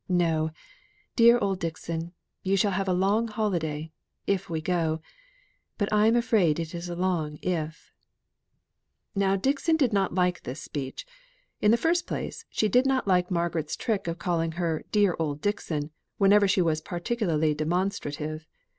No! dear old Dixon, you shall have a long holiday, if we go. But I'm afraid it is a long 'if.'" Now Dixon did not like this speech. In the first place, she did not like Margaret's trick of calling her 'dear old Dixon' whenever she was particularly demonstrative.